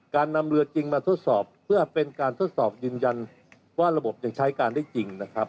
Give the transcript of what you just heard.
นำเรือจริงมาทดสอบเพื่อเป็นการทดสอบยืนยันว่าระบบยังใช้การได้จริงนะครับ